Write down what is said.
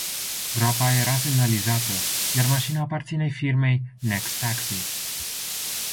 Groapa era semnalizată, iar mașina aparține firmei Next Taxi.